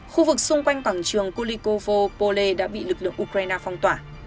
khu vực xung quanh quảng trường kulikovo pole đã bị lực lượng ukraine phong tỏa